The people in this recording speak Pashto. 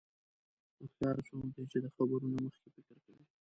هوښیار څوک دی چې د خبرو نه مخکې فکر کوي.